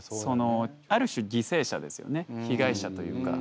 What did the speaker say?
ある種犠牲者ですよね被害者というか。